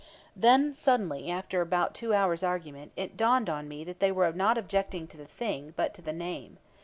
Then, suddenly, after about two hours' argument, it dawned on me that they were not objecting to the thing, but to the name.